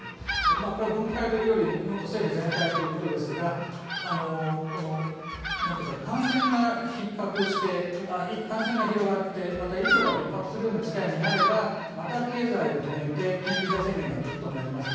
これ分科会というよりも、もっと政府全体ということですがこの何とか感染が逼迫して感染が広がって、また医療が逼迫するような事態になればまた経済を止めて緊急事態宣言だということになります